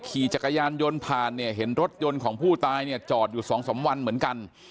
ขี่จักรยานยนต์ผ่านเนี่ยเห็นรถยนต์ของผู้ตายเนี่ยจอดอยู่สองสามวันเหมือนกัน